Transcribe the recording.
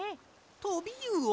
トビウオ？